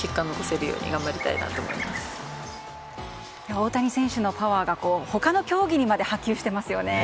大谷選手のパワーが他の競技にも波及していますよね。